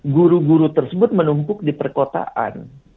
guru guru tersebut menumpuk di perkotaan